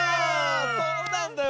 そうなんだよ。